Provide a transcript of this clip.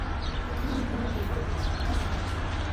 Aucun nom connu de voies ou places ne contient cette date.